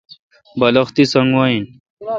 بالخ تی سنگ وا این